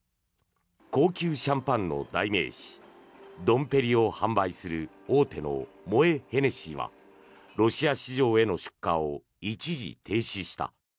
高級シャンパンの代名詞ドンペリを販売する大手のモエ・ヘネシーはロシア市場への出荷を一時停止した。